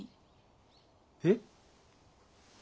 えっ？